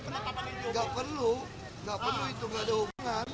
nggak perlu nggak perlu itu nggak ada hubungan